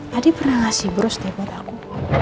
tadi pernah ngasih bros deh buat aku